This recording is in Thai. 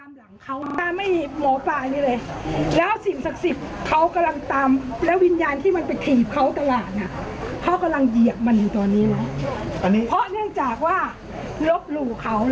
จะมีไว้ดีกว่าการแต่เพื่อทำลายของแนนอีกทองเฎียงงานวิบาล